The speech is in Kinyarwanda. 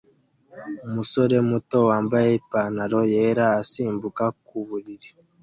Umusore muto wambaye ipantaro yera asimbuka ku buriri